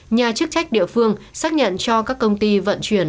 nhà chức trách địa phương xác nhận cho các công ty vận chuyển